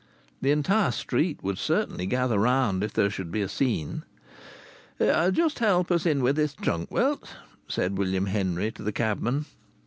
The entire street would certainly gather round if there should be a scene. "Just help us in with this trunk, wilt?" said William Henry to the cabman.